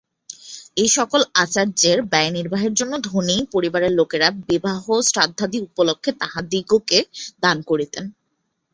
এই সকল আচার্যের ব্যয়নির্বাহের জন্য ধনী পরিবারের লোকেরা বিবাহ-শ্রাদ্ধাদি উপলক্ষ্যে তাঁহাদিগকে দান করিতেন।